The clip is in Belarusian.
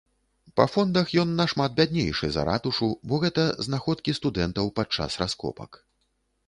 Па фондах ён нашмат бяднейшы за ратушу, бо гэта знаходкі студэнтаў падчас раскопак.